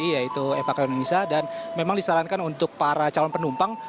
yaitu evakuasi indonesia dan memang disarankan untuk para calon penumpang